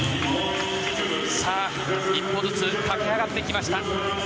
さあ、一歩ずつ駆け上がってきました。